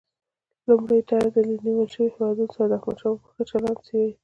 لومړۍ ډله دې له نیول شویو هیوادونو سره د احمدشاه بابا ښه چلند څېړي.